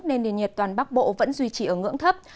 nên nền nhiệt toàn bắc bộ vẫn duy trì ở ngưỡng thấp